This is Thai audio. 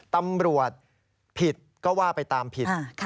ตำรวจผิดก็ว่าไปตามผิด